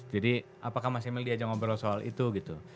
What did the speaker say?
jadi apakah mas emil diajak ngobrol soal itu